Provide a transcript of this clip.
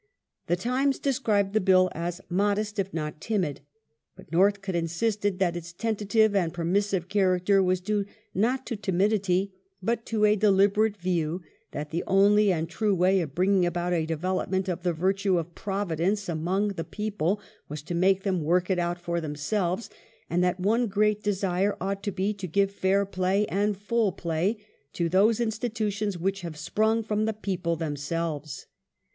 The Times described the Bill as *' modest if not timid ". But Northcote insisted that its tentative and per missive character was due not to timidity but to " a deliberate view that the only and true way of bringing about a development of the virtue of providence amongst the people was to make them work it out for themselves, and that one great desire ought to be to give fair play and full play to those institutions which have sprung from the people themselves